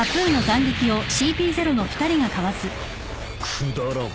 くだらん。